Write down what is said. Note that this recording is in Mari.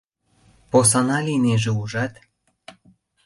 Посана лийнеже, ужат!